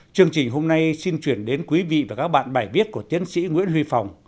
chương trình hôm nay xin chuyển đến quý vị và các bạn bài viết của tiến sĩ nguyễn huy phòng